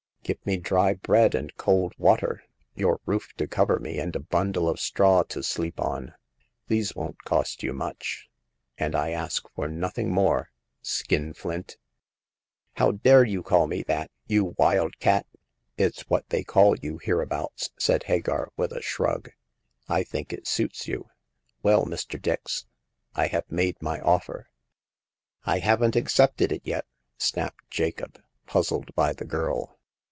'Give me dry bread and cold water, your roof to cover me, and a bundle of straw to sleep on. These won't cost you much, and I ask for nothing more — Skinflint." " How dare you call me that, you wild cat !" It's what they call you hereabouts," said Hagar with a shrug. " I think it suits you. Well, Mr. Dix, I have made my offer." " I haven't accepted it yet," snapped Jacob, puzzled by the girl.